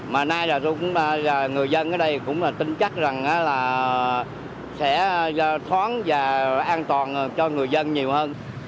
mà nay là người dân ở đây cũng là tin chắc rằng là sẽ thoáng và an toàn cho người dân nhiều hơn